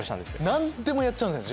何でもやっちゃうんですね